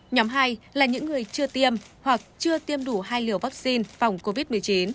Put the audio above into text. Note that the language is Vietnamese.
nhóm hai là những người chưa tiêm hoặc chưa tiêm đủ hai liều vaccine phòng covid một mươi chín